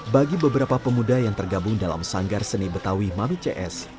bagi beberapa pemuda yang tergabung dalam sanggar seni betawi madu cs